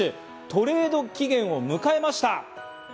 トレード期限を迎えました。